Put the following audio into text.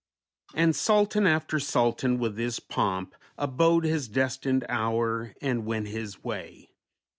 "_And Sultan after Sultan with his Pomp Abode his destined Hour and went his way.